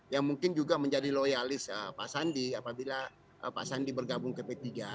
yang mungkin juga menjadi loyalis pak sandi apabila pak sandi bergabung ke p tiga